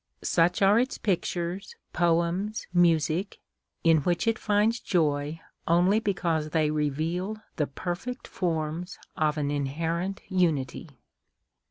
Such are its pictures, poems, music, in which it finds joy only because they reveal the perfect forms of an inherent unity.